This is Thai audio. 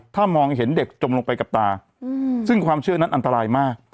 ถ้ามองเห็นเด็กจมลงไปกับตาซึ่งความเชื่อนั้นอันตรายมาก